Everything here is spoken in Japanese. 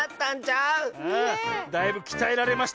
⁉ああだいぶきたえられましたよ。